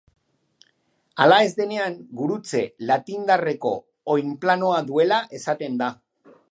Hala ez denean, gurutze latindarreko oinplanoa duela esaten da.